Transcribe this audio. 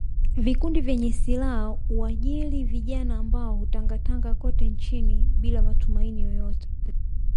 Vikundi vyenye silaha huajiri vijana ambao hutangatanga kote nchini bila matumaini yoyote